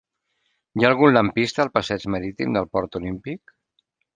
Hi ha algun lampista al passeig Marítim del Port Olímpic?